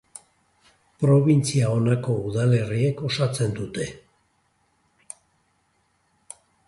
Probintzia honako udalerriek osatzen dute.